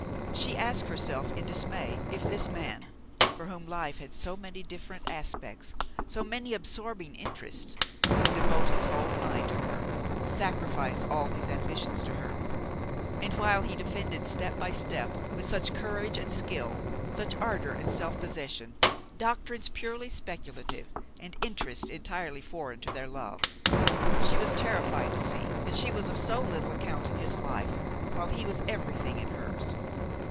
She asked herself in dismay if this man, for whom life had so many different aspects, so many absorbing interests, could devote his whole mind to her, sacrifice all his ambitions to her. And while he defended step by step, with such courage and skill, such ardor and self possession, doctrines purely speculative and interests entirely foreign to their love, she was terrified to see that she was of so little account in his life while he was everything in hers.